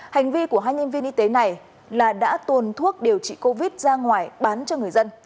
hành vi của hai nhân viên y tế này là đã tuồn thuốc điều trị covid ra ngoài bán cho người dân